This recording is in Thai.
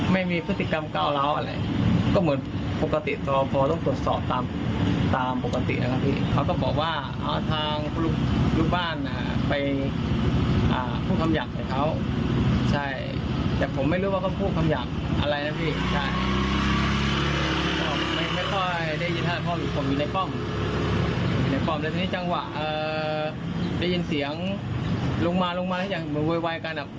ไม่ค่อยได้ยินภาพมีในกล้องแต่ในจังหวะได้ยินเสียงลงมาแล้วมันเวยวัยกันอะ